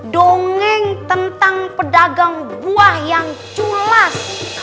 dongeng tentang pedagang buah yang culas